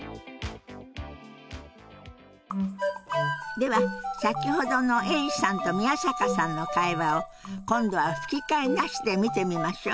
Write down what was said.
では先ほどのエリさんと宮坂さんの会話を今度は吹き替えなしで見てみましょう。